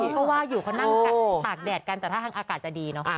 ก็ว่าอยู่เขานั่งตากแดดกันแต่ถ้าทางอากาศจะดีเนาะ